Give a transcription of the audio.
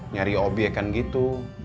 nyari objek kan gitu